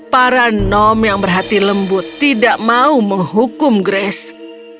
para nom yang berhati lembut tidak mau menghukum grace